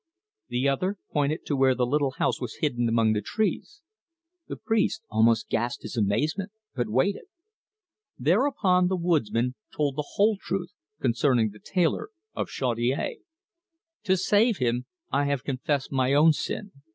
The other pointed to where the little house was hidden among the trees. The priest almost gasped his amazement, but waited. Thereupon the woodsman told the whole truth concerning the tailor of Chaudiere. "To save him, I have confessed my own sin.